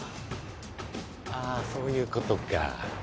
あそういうことか。